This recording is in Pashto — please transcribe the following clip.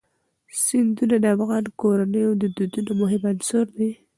سیندونه د افغان کورنیو د دودونو مهم عنصر دی.